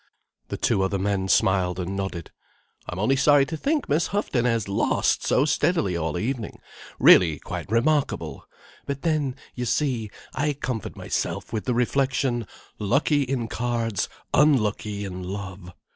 The two other men smiled and nodded. "I'm only sorry to think Miss Houghton has lost so steadily all evening. Really quite remarkable. But then—you see—I comfort myself with the reflection 'Lucky in cards, unlucky in love.